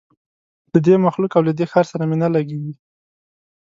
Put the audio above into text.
له دې مخلوق او له دې ښار سره مي نه لګیږي